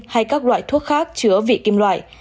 hay các loại thuốc khác chứa vị kim loại